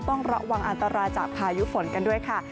ต้องระวังอันตรายจากพายุฝนกันด้วยค่ะ